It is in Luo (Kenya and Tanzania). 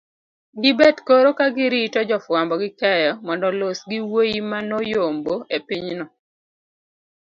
gibet koro ka girito jofwambo gi keyo mondo olos gi wuoyimanoyomboepinyno